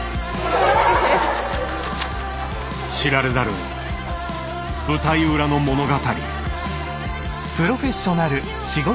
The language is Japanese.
知られざる舞台裏の物語。